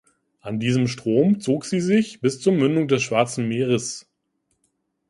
An diesem Strom zog sie sich bis zur Mündung des Schwarzen Meeres.